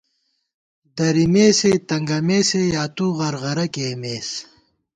درَمېسے ، تنگَمېسے یا تُو غرغرہ کېئیمېس